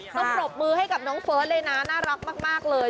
ปรบมือให้กับน้องเฟิร์สเลยนะน่ารักมากเลย